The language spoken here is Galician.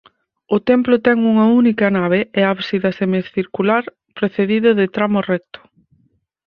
O templo ten unha única nave e ábsida semicircular precedido de tramo recto.